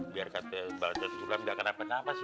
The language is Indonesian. biar katanya balasan sulam nggak kenapa kenapa sih